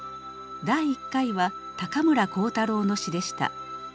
第１回は高村光太郎の詩でした。